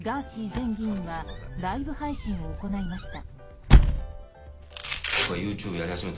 前議員はライブ配信を行いました。